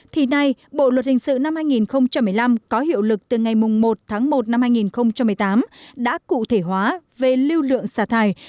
thì nay bộ luật hình sự năm hai nghìn một mươi năm có hiệu lực từ ngày một tháng một năm hai nghìn một mươi tám đã cụ thể hóa về lưu lượng xả thải